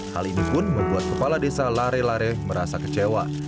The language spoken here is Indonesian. hal ini pun membuat kepala desa lare lare merasa kecewa